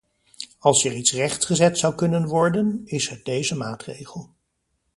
Als er iets rechtgezet zou kunnen worden, is het deze maatregel.